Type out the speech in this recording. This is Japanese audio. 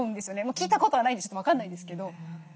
聞いたことはないんでちょっと分かんないんですけど。